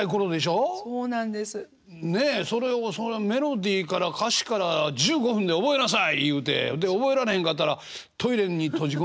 それをそのメロディーから歌詞から１５分で覚えなさい言うてで覚えられへんかったらトイレに閉じ込められて。